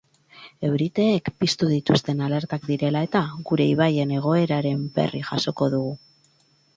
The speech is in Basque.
Euriteek piztu dituzten alertak direla eta, gure ibaien egoeraren berri jasoko dugu.